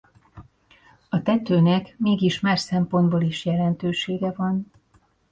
A tetőnek mégis más szempontból is jelentősége van.